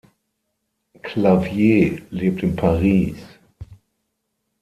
Clavier lebt in Paris.